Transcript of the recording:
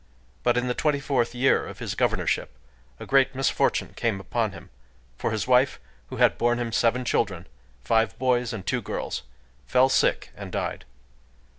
But in the twenty fourth year of his governorship, a great misfortune came upon him; for his wife, who had borne him seven children,—five boys and two girls,—fell sick and died.